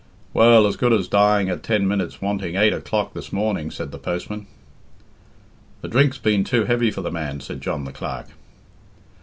"Well, as good as dying at ten minutes wanting eight o'clock this morning," said the postman. "The drink's been too heavy for the man," said John, the clerk.